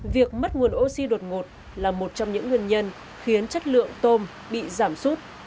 việc mất nguồn oxy đột ngột là một trong những nguyên nhân khiến chất lượng tôm bị giảm sút